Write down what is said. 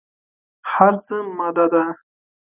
هر څه ماده ده.